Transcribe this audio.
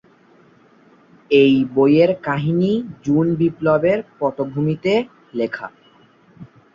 এই বইয়ের কাহিনী জুন বিপ্লবের পটভূমিতে লেখা।